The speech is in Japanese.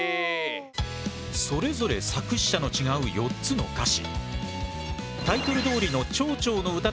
それぞれ作詞者の違う４つの歌詞。